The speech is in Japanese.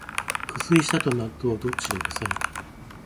靴下と納豆、どっちが臭い？